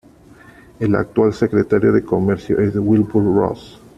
El actual secretario de Comercio es Wilbur Ross.